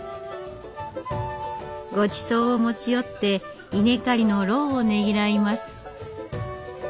ごちそうを持ち寄って稲刈りの労をねぎらいます。